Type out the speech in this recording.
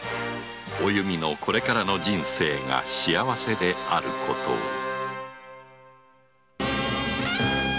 お弓のこれからの人生が幸せであることを